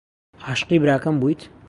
عاشقی براکەم بوویت؟